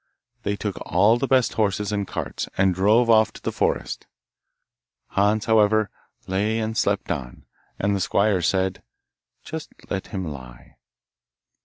They took all the best horses and carts, and drove off to the forest. Hans, however, lay and slept on, and the squire said, 'Just let him lie.